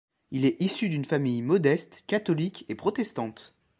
Il est issu d'une famille modeste catholique et protestante.